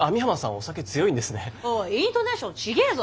おいイントネーション違えぞ。